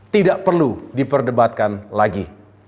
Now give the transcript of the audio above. tidak perlu diperdebatkan lagi